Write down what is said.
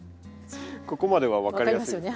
ここまでは分かります。